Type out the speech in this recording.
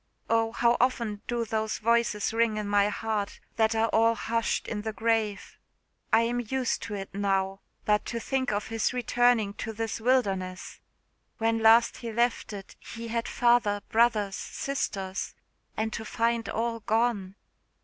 Oh, how often do those voices ring in my heart, that are all hushed in the grave! I am used to it now; but to think of his returning to this wilderness! When last he left it he had father, brothers, sisters and to find all gone!"